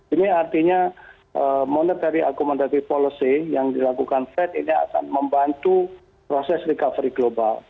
ini artinya monetary accomentary policy yang dilakukan fed ini akan membantu proses recovery global